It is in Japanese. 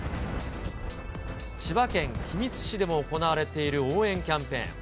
千葉県君津市でも行われている応援キャンペーン。